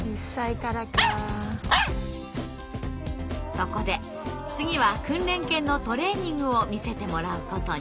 そこで次は訓練犬のトレーニングを見せてもらうことに。